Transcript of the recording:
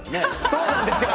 そうなんですよ。